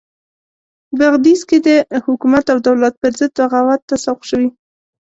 بغدیس کې د حکومت او دولت پرضد بغاوت ته سوق شوي.